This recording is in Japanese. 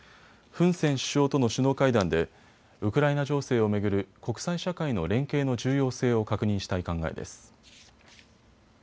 フン・セン首相との首脳会談でウクライナ情勢を巡る国際社会の連携の重要性を確認したい考えです。